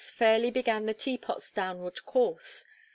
fairly began the Teapot's downward course.